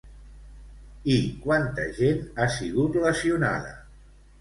I quanta gent ha sigut lesionada?